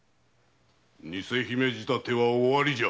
偽姫仕立ては終わりじゃ。